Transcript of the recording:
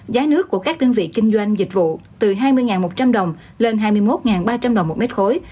giá nước của các đơn vị kinh doanh dịch vụ từ hai mươi một trăm linh đồng lên hai mươi một ba trăm linh đồng một mét khối